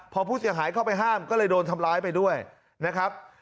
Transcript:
พอผู้เสียหายเข้าไปห้ามก็เลยโดนทำร้ายไปด้วยนะครับ